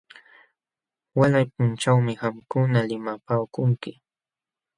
Walay punchawmi qamkuna limapaakunki.